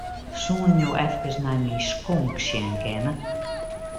Soenen jo efkes nei myn skonk sjen kinne?